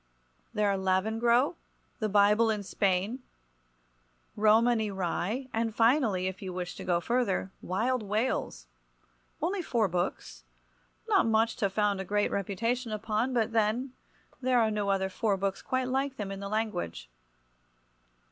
There are "Lavengro," "The Bible in Spain," "Romany Rye," and, finally, if you wish to go further, "Wild Wales." Only four books—not much to found a great reputation upon—but, then, there are no other four books quite like them in the language.